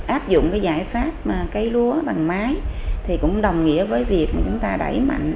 áp dụng cái giải pháp cấy lúa bằng máy thì cũng đồng nghĩa với việc mà chúng ta đẩy mạnh